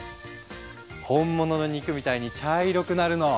本物の肉みたいに茶色くなるの。